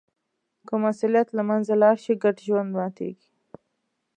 که مسوولیت له منځه لاړ شي، ګډ ژوند ماتېږي.